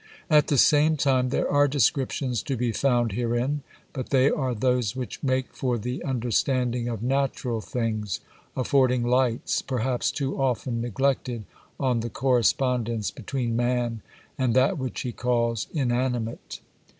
At the same time, there are descriptions to be found herein, but they are those which make for the understand ing of natural things, affording lights, perhaps too often neglected, on the correspondence between man and that which he calls inanimate.